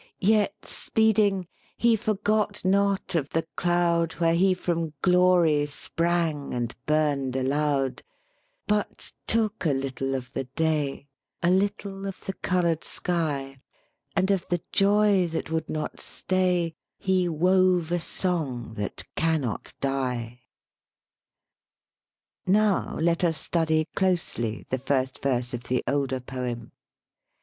Yet speeding he forgot not of the cloud Where he from glory sprang and burned aloud, But took a little of the day, A little of the colored sky, And of the joy that would not stay He wove a song that cannot die." 116 LYRIC POETRY Now let us study closely the first verse of the older poem.